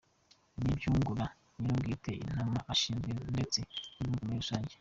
Ibi byungura nyirubwite, intama ashinzwe ndetse n igihugu muri rusange.